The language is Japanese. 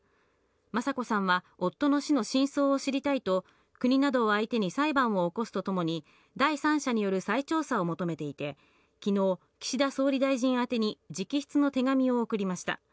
雅子さんは夫の死の真相を知りたいと、国などを相手に裁判を起こすとともに、第三者による再調査を求めていて、きのう、岸田総理大臣宛てに直筆の手紙を送りました。